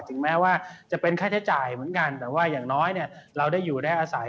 ถึงแม้ว่าจะเป็นค่าใช้จ่ายเหมือนกันแต่ว่าอย่างน้อยเนี่ยเราได้อยู่ได้อาศัย